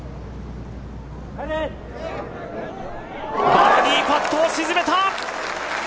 バーディーパットを沈めた！